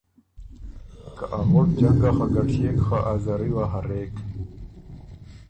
که ا غُټ جنګه خه ګټيېک خه ا زری وه هرېک۔